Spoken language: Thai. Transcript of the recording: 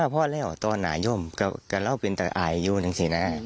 จุนย่ามเราสิยีพอ